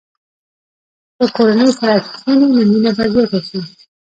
که کورنۍ سره کښېني، نو مینه به زیاته شي.